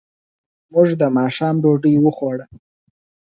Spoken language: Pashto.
موږ د ماښام ډوډۍ وخوړه.